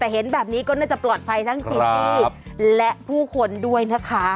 แต่เห็นแบบนี้ก็น่าจะปลอดภัยทั้งจิตที่และผู้คนด้วยนะคะ